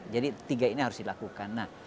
jadi tiga ini harus dilakukan